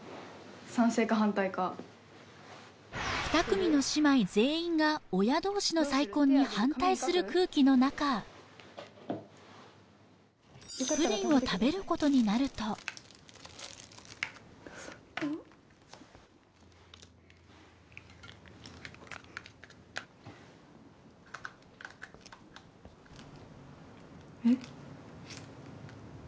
賛成か反対か２組の姉妹全員が親同士の再婚に反対する空気の中プリンを食べることになるとえっ？